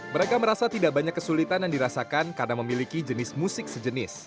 mereka merasa tidak banyak kesulitan yang dirasakan karena memiliki jenis musik sejenis